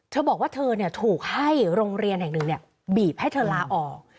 เธอบอกว่าเธอถูกให้โรงเรียนแห่งหนึ่งบีบให้เธอลาออก